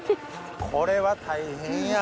これは大変や。